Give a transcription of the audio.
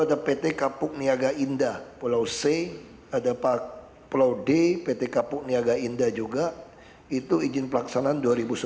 ada pt kapuk niaga indah pulau c ada pak pulau d pt kapuk niaga indah juga itu izin pelaksanaan